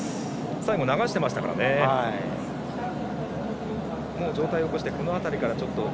最後、流していましたからね。